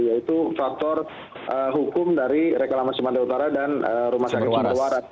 yaitu faktor hukum dari rekalama sumatera utara dan rumah sanger sumer waras